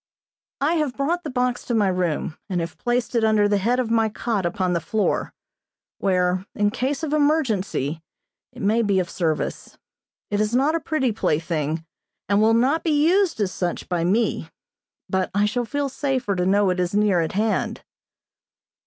I have brought the box to my room and have placed it under the head of my cot upon the floor, where, in case of emergency, it may be of service. It is not a pretty plaything, and will not be used as such by me, but I shall feel safer to know it is near at hand.